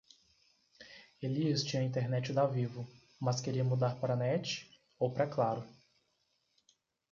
Elias tinha internet da Vivo, mas queria mudar pra Net ou pra Claro.